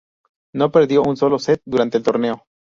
No perdió un solo set durante el torneo.